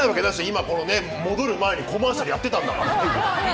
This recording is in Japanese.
今戻る前にコマーシャルやってたんだから。